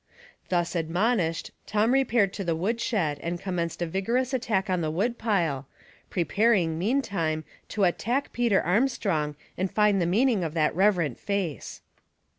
Thus admonished Tom repaired to the woodshed and commenced a vigorous attack on the woodpile, preparing, meantime, to attack Peter Armstrong and find the meaning of that reverent face.